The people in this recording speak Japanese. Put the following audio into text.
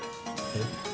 えっ？